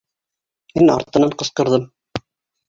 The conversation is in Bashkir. Мин артынан ҡысҡырҙым: